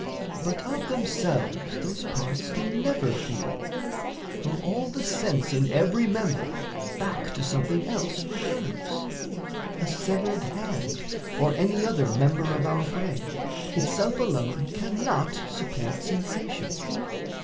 But of themselves those parts can never feel, For all the sense in every member back To something else refers a severed hand, Or any other member of our frame, Itself alone cannot support sensation.